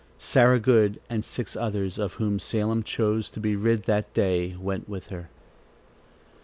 Sarah Good and six others of whom Salem chose to be rid that day went with her.